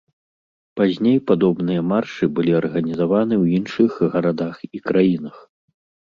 Пазней падобныя маршы былі арганізаваны ў іншых гарадах і краінах.